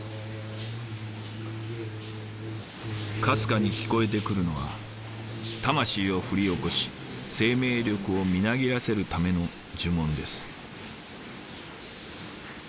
かすかに聞こえてくるのは魂を奮い起こし生命力をみなぎらせるための呪文です。